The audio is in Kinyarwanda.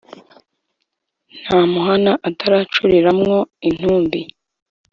nta muhana ataracurira mwo inntumbi